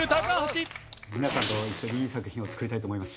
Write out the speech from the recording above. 皆さんと一緒にいい作品を作りたいと思います。